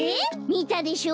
みたでしょ？